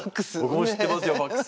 僕も知ってますよファックス。